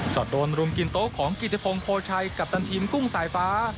อดโดนรุมกินโต๊ะของกิติพงศ์ชัยกัปตันทีมกุ้งสายฟ้า